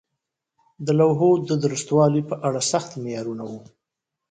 د لوحو د درستوالي په اړه سخت معیارونه وو.